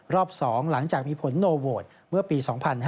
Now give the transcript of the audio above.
๒หลังจากมีผลโนโหวตเมื่อปี๒๕๕๙